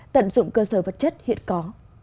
tận dụng cơ sở vật chất hiện có